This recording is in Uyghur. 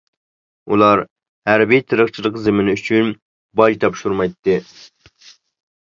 ئۇلار ھەربىي تېرىقچىلىق زېمىنى ئۈچۈن باج تاپشۇرمايتتى.